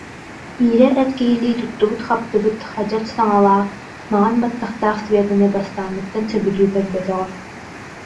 Ира эр киһилии туттубут-хаптыбыт хадьар саҥалаах, маҥан баттахтаах Светаны бастааҥҥыттан сөбүлүү көрбөтөҕө